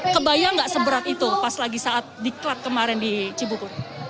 kebayang nggak seberat itu pas lagi saat diklat kemarin di cibubur